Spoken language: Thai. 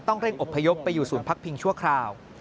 เร่งอบพยพไปอยู่ศูนย์พักพิงชั่วคราว